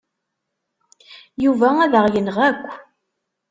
Yuba ad aɣ-yenɣ akk.